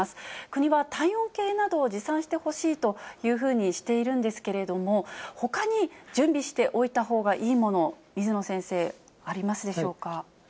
国は体温計などを持参してほしいというふうにしているんですけれども、ほかに準備しておいたほうがよいもの、水野先生、ありますでしょ